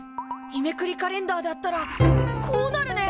日めくりカレンダーだったらこうなるね。